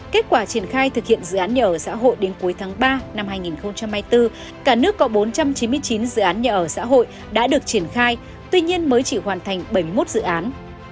kết quả triển khai thực hiện dự án nhà ở xã hội đến cuối tháng ba năm hai nghìn hai mươi bốn cả nước có bốn trăm chín mươi chín dự án nhà ở xã hội đã được triển khai tuy nhiên mới chỉ hoàn thành bảy mươi một dự án